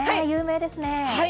有名ですね。